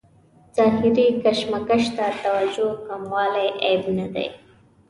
ظاهري کشمکش ته توجه کموالی عیب نه دی.